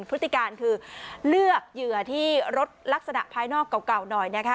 พฤติการคือเลือกเหยื่อที่รถลักษณะภายนอกเก่าหน่อยนะคะ